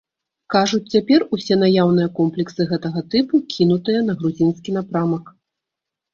Кажуць, цяпер усе наяўныя комплексы гэтага тыпу кінутыя на грузінскі напрамак.